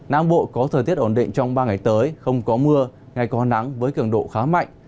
nam bộ có thời tiết ổn định trong ba ngày tới không có mưa ngày có nắng với cường độ khá mạnh